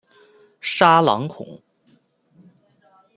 沙朗孔。